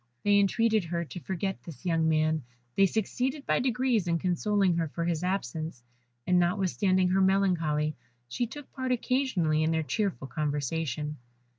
They entreated her to forget this young man; they succeeded by degrees in consoling her for his absence, and notwithstanding her melancholy, she took part occasionally in their cheerful conversation.